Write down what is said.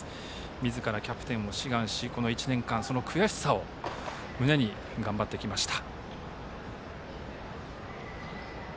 みずからキャプテンを志願しこの１年間悔しさを胸に頑張ってきました。